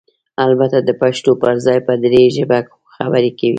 البته دپښتو پرځای په ډري ژبه خبرې کوي؟!